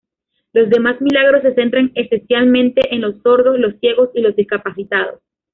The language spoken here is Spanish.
Los demás milagros se centran esencialmente en los sordos, los ciegos y los discapacitados.